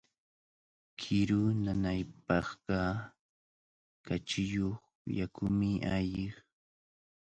Kiru nanaypaqqa kachiyuq yakumi alli.